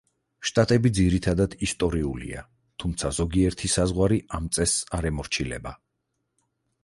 შტატები ძირითადად ისტორიულია, თუმცა ზოგიერთი საზღვარი ამ წესს არ ემორჩილება.